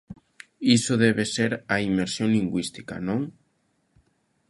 Iso debe ser a inmersión lingüística, ¿non?